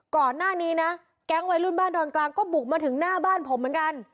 ก่อนหน้านี้นะแก๊งวัยรุ่นบ้านดอนกลางก็บุกมาถึงหน้าบ้านผมเหมือนกัน